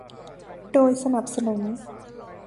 โดยสนับสนุน